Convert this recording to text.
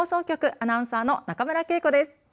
アナウンサーの中村慶子です。